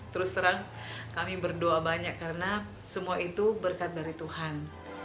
terus terang kami berdoa banyak karena semua itu berkat dari tuhan